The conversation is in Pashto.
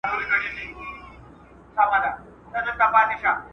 آیا موږ د ستونزو سره د مخامخ کېدو لارې پېژنو؟